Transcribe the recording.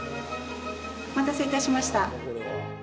お待たせいたしました。